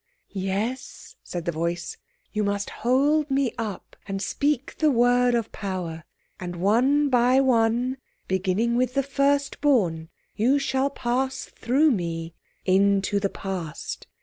"Yes," said the voice. "You must hold me up, and speak the word of power, and one by one, beginning with the first born, you shall pass through me into the Past.